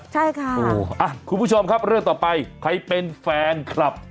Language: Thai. ใช่ค่ะคุณผู้ชมครับเรื่องต่อไปใครเป็นแฟนคลับ